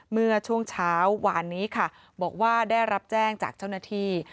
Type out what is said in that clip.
เมื่อช่วงเช้าหวานนี้ค่ะบอกว่าได้รับแจ้งจากเจ้าหน้าที่